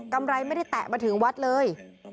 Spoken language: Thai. ไรไม่ได้แตะมาถึงวัดเลย